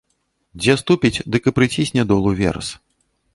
Дзе ступіць, дык і прыцісне долу верас.